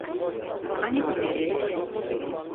Они помирились.